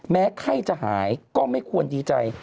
ไข้จะหายก็ไม่ควรดีใจ